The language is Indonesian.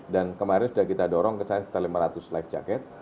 dan kemarin sudah kita dorong ke sana sekitar lima ratus life jacket